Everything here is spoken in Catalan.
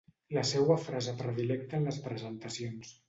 La seua frase predilecta en les presentacions.